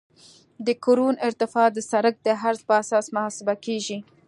د کرون ارتفاع د سرک د عرض په اساس محاسبه کیږي